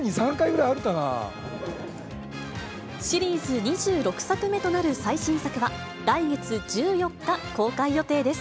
シリーズ２６作目となる最新作は、来月１４日公開予定です。